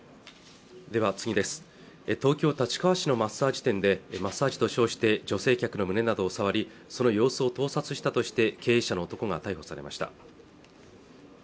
東京立川市のマッサージ店でマッサージと称して女性客の胸などを触りその様子を盗撮したとして経営者の男が逮捕されました